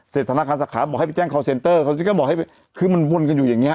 ธนาคารสาขาบอกให้ไปแจ้งคอลเซนเตอร์เขาก็บอกให้คือมันวนกันอยู่อย่างเงี้